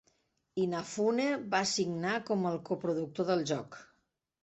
Inafune va signar com el coproductor del joc.